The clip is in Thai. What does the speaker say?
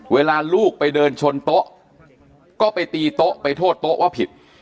เวลาลูกไปเดินชนโต๊ะก็ไปตีโต๊ะไปโทษโต๊ะว่าผิด